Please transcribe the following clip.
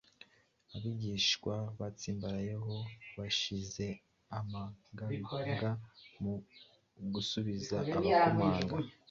abigishwa batsimbarayeho bashize amanga mu gusubiza ababakomaga